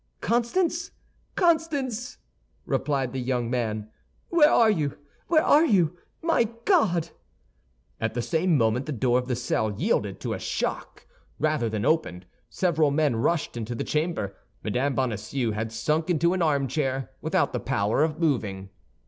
"Constance? Constance?" replied the young man, "where are you? where are you? My God!" At the same moment the door of the cell yielded to a shock, rather than opened; several men rushed into the chamber. Mme. Bonacieux had sunk into an armchair, without the power of moving.